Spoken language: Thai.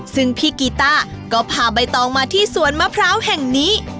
ซึ่งพี่กีต้าก็พาใบตองมาที่สวนมะพร้าวแห่งนี้